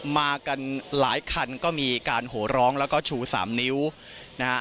มากันหลายคันก็มีการโหร้องแล้วก็ชูสามนิ้วนะฮะ